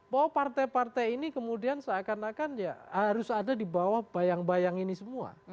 bahwa partai partai ini kemudian seakan akan ya harus ada di bawah bayang bayang ini semua